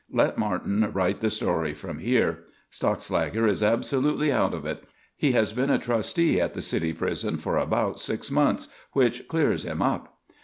Let Martin write the story from here. Stockslager is absolutely out of it. He has been a trusty at the city prison for about six months, which clears him up.